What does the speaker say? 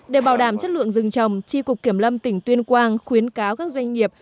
để bảo đảm chất lượng rừng trồng tri cục kiểm lâm tỉnh tuyên quang khuyến cáo các doanh nghiệp